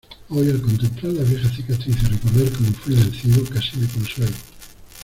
hoy, al contemplar las viejas cicatrices y recordar cómo fuí vencido , casi me consuelo.